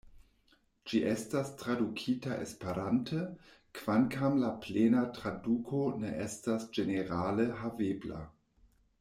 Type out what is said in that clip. Ĝi estas tradukita Esperante, kvankam la plena traduko ne estas ĝenerale havebla.